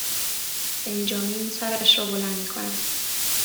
بنجامین سرش را بلند میکند